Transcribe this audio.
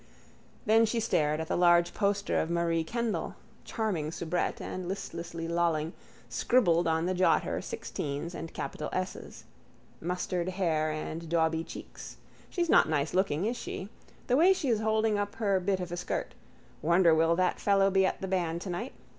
Then she stared at the large poster of Marie Kendall, charming soubrette, and, listlessly lolling, scribbled on the jotter sixteens and capital esses. Mustard hair and dauby cheeks. She's not nicelooking, is she? The way she's holding up her bit of a skirt. Wonder will that fellow be at the band tonight.